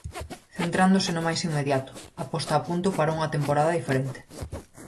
Centrándose no máis inmediato, a posta a punto para unha temporada diferente.